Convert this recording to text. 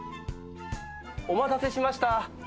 お待たせしました。